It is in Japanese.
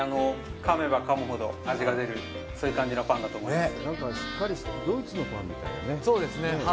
かめばかむほど味が出る、そういう感じのパンだと思います。